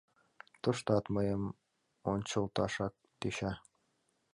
Тыштат мыйым ончылташак тӧча!